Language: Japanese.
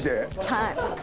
はい。